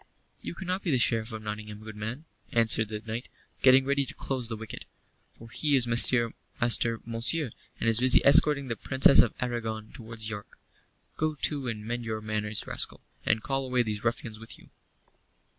"You cannot be the Sheriff of Nottingham, good man," answered the knight, getting ready to close the wicket, "for he is Master Monceux, and is busy escorting the Princess of Aragon towards York. Go to and mend your manners, rascal, and call away these ruffians with you."